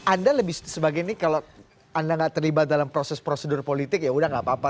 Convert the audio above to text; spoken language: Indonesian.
anda lebih sebagai ini kalau anda nggak terlibat dalam proses prosedur politik ya udah gak apa apa